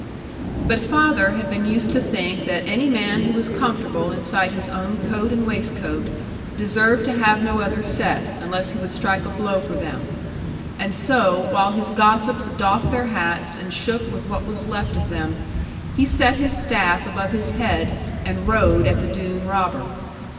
But father had been used to think that any man who was comfortable inside his own coat and waistcoat deserved to have no other set, unless he would strike a blow for them. And so, while his gossips doffed their hats, and shook with what was left of them, he set his staff above his head, and rode at the Doone robber.